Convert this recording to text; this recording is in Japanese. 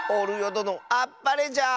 どのあっぱれじゃ！